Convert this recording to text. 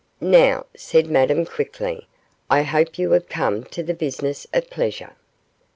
'Now,' said Madame, quickly, 'I hope you have come to the business of pleasure.